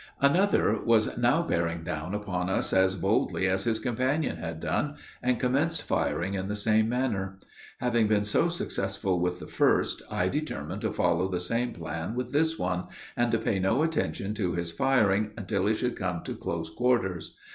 Another was now bearing down upon us as boldly as his companion had done, and commenced firing in the same manner. Having been so successful with the first, I determined to follow the same plan with this one, and to pay no attention to his firing until he should come to close quarters.